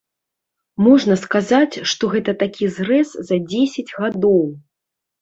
Можна сказаць, што гэта такі зрэз за дзесяць гадоў.